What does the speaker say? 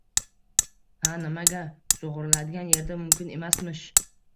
Ha, nimaga? Sug‘oriladigan yerda mumkin emasmish.